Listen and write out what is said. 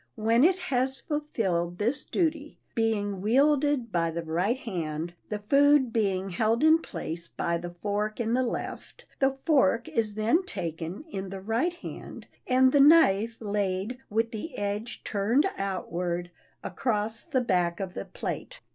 When it has fulfilled this duty, being wielded by the right hand, the food being held in place by the fork in the left, the fork is then taken in the right hand, and the knife laid, with the edge turned outward, across the back of the plate.